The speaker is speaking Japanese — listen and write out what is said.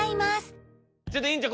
ちょっと院長